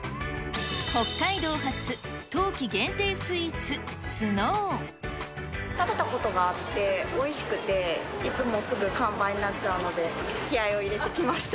北海道発、食べたことがあって、おいしくて、いつもすぐ完売になっちゃうので、気合いを入れて来ました。